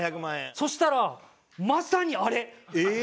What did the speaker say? そしたらまさにあれ。ええー！